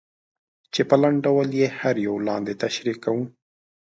چې په لنډ ډول یې هر یو لاندې تشریح کوو.